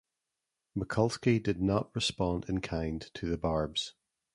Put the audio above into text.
Mikulski did not respond in kind to the barbs.